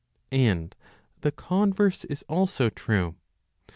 And the converse is also true.